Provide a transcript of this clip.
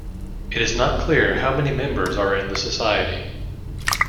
It is not clear how many members are in the society.